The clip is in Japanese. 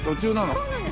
そうなんです。